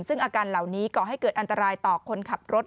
ซึ่งอาการเหล่านี้ก่อให้เกิดอันตรายต่อคนขับรถ